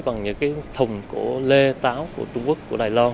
bằng những thùng của lê táo của trung quốc của đài lo